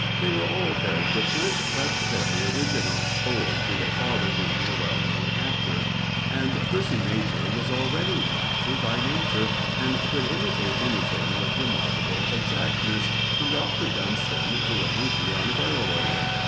They were all very different but very original, owing to their father being a well known actor. And Percy major was already an actor by nature, and could imitate anything with remarkable exactness, from Dr. Dunston to a monkey on a barrel organ.